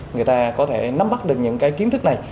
người ta có thể nắm bắt được những cái kiến thức này